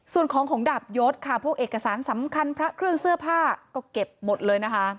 ส่วนของของดาบยศค่ะพวกเอกสารสำคัญพระเครื่องเสื้อผ้าก็เก็บหมดเลยนะคะ